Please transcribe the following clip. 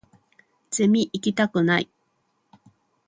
ゼミ行きたくない